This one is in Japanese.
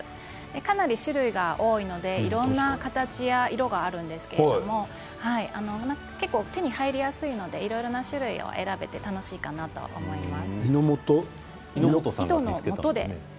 かなり種類が多いのでいろいろな形や色があるんですけれども手に入りやすいのでいろいろな種類を選べて楽しいかなと思います。